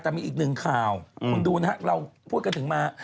แต่มีอีกหนึ่งข่าวคุณดูนะครับเราพูดกันถึงมา